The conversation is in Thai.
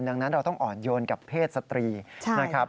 ดังนั้นเราต้องอ่อนโยนกับเพศสตรีนะครับ